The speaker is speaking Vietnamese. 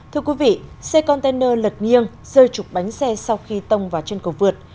thưa quý vị xe container lật nghiêng rơi trục bánh xe sau khi tông vào chân cầu vượt